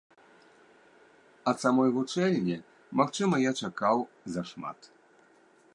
Ад самой вучэльні, магчыма, я чакаў зашмат.